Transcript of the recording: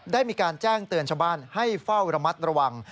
ได้มีการแจ้งเตือนชาวบ้านให้เฝ้าระมัดระวัง